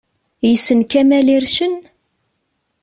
Yessen Kamel Ircen?